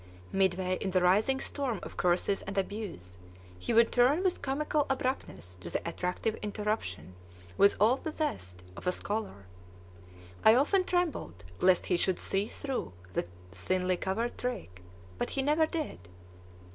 Midway in the rising storm of curses and abuse he would turn with comical abruptness to the attractive interruption with all the zest of a scholar. I often trembled lest he should see through the thinly covered trick, but he never did.